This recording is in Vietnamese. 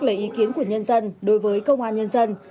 lấy ý kiến của nhân dân đối với công an nhân dân